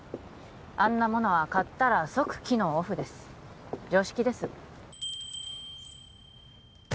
あんなものは買ったら即機能オフです常識です